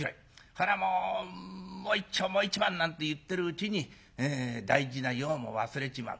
それはもうもう一丁もう一番なんて言ってるうちに大事な用も忘れちまう。